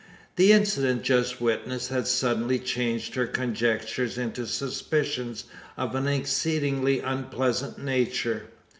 The incident just witnessed had suddenly changed her conjectures into suspicions of an exceedingly unpleasant nature.